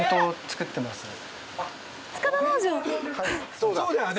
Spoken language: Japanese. そうだね。